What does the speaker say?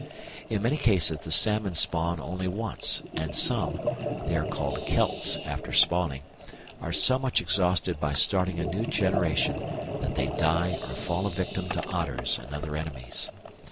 In many cases the salmon spawn only once, and some (they are called kelts after spawning) are so much exhausted by starting a new generation that they die or fall a victim to otters and other enemies.